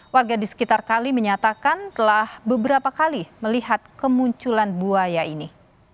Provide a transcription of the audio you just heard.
warga di sekitar kali menyatakan telah beberapa kali melihat kemunculan buaya ini